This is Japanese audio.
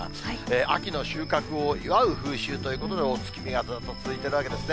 秋の収穫を祝う風習ということで、ずっと続いているわけですね。